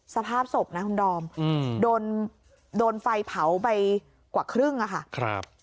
สภาพศพนะคุณดอมโดนไฟเผาไปกว่าครึ่งอะค่ะ